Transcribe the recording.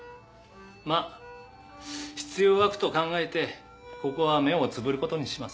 まあ必要悪と考えてここは目をつぶることにします。